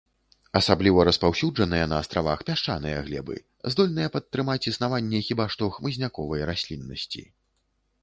Асабліва распаўсюджаныя на астравах пясчаныя глебы, здольныя падтрымаць існаванне хіба што хмызняковай расліннасці.